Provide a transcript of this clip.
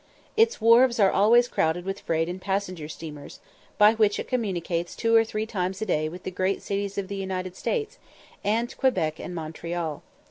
Its wharfs are always crowded with freight and passenger steamers, by which it communicates two or three times a day with the great cities of the United States, and Quebec and Montreal.